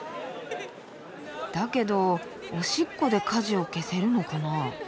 だけどおしっこで火事を消せるのかな？